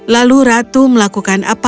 lalu ratu melakukan apa yang diperintahkan